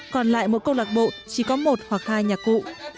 còn lại một câu lạc bộ chỉ có một hoặc hai nhạc cụ